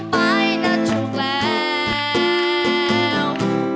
ที่ทำลงไปน่าจุดแรง